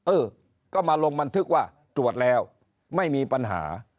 เออก็มาลงบันทึกว่าตรวจแล้วไม่มีปัญหา